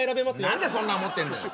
何でそんなの持ってんだよ